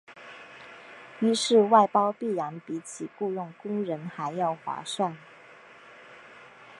于是外包必然比起雇用工人还要划算。